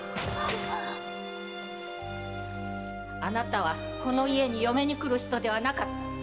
〔あなたはこの家に嫁にくる人ではなかった〕